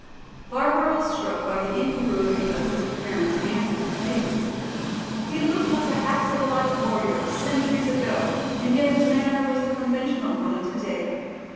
Barbara was struck by the incongruity of his appearance and his behavior. He looked like a half civilized warrior of centuries ago, and yet his manner was the conventional one of today.